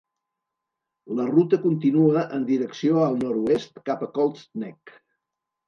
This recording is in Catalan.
La ruta continua en direcció al nord-oest cap a Colts Neck.